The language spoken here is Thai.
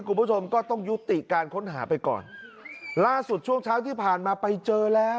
คุณผู้ชมก็ต้องยุติการค้นหาไปก่อนล่าสุดช่วงเช้าที่ผ่านมาไปเจอแล้ว